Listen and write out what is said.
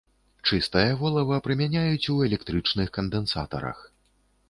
Чыстае волава прымяняюць у электрычных кандэнсатарах.